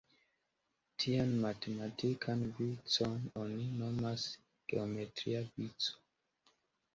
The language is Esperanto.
Tian matematikan vicon oni nomas geometria vico.